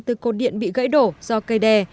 từ cột điện bị gãy đổ do cây đè